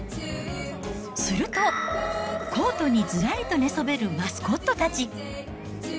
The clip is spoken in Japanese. すると、コートにずらりと寝そべるマスコットたち。